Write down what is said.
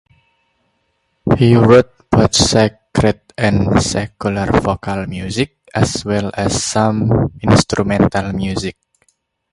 He wrote both sacred and secular vocal music, as well as some instrumental music.